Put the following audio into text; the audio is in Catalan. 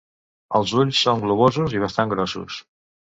Els ulls són globosos i bastant grossos.